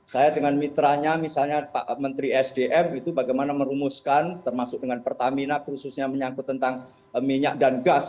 saya dengan mitranya misalnya pak menteri sdm itu bagaimana merumuskan termasuk dengan pertamina khususnya menyangkut tentang minyak dan gas